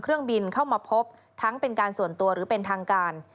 เครื่องบินเข้ามาพบทั้งเป็นการส่วนตัวหรือเป็นทางการ